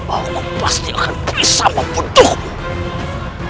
aku pasti akan pulih sama peduhmu